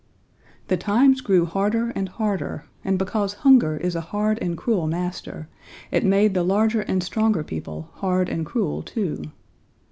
The times grew harder and harder, and because hunger is a hard and cruel master, it made the larger and stronger people hard and cruel, too.